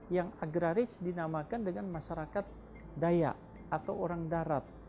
yang agraris dinamakan dengan masyarakat dayak atau orang darat